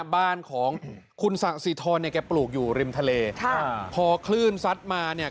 บ้านของคุณสะสิทรเนี่ยแกปลูกอยู่ริมทะเลค่ะพอคลื่นซัดมาเนี่ย